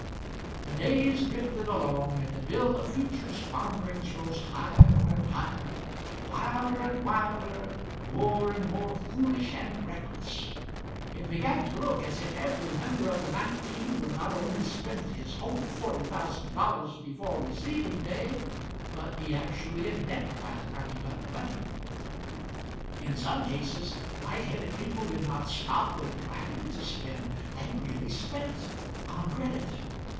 The days drifted along, and the bill of future squanderings rose higher and higher, wilder and wilder, more and more foolish and reckless. It began to look as if every member of the nineteen would not only spend his whole forty thousand dollars before receiving day, but be actually in debt by the time he got the money. In some cases light headed people did not stop with planning to spend, they really spent on credit.